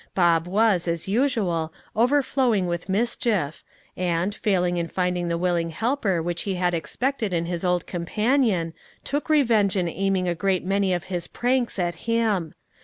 Bob was, as usual, overflowing with mischief, and, failing in finding the willing helper which he had expected in his old companion, took revenge in aiming a great many of his pranks at him.